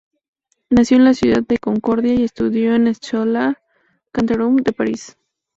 Nació en la ciudad de Concordia y estudió en la Schola Cantorum de París.